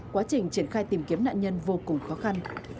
quá trình triển khai tìm kiếm nạn nhân vô cùng khó khăn